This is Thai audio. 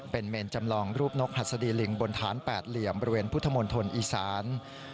เป็นเมนจำลองรูปนกหัสดีลิงบนฐานแปดเหลี่ยมบริเวณพุทธมณฑลอีสาน